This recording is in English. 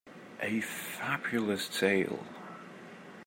A Fabulous tale.